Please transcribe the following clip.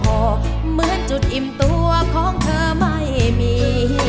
เหมือนจุดอิ่มตัวของเธอไม่มี